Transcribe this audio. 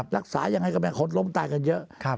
รักษายังไงก็แบบคนล้มตายกันเยอะ